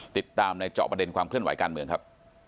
ติดตามในเจาะประเด็นความเคลื่อนไหวการเมืองครับ